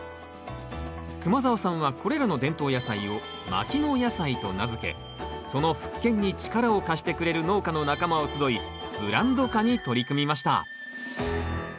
熊澤さんはこれらの伝統野菜を牧野野菜と名付けその復権に力を貸してくれる農家の仲間を集いブランド化に取り組みました。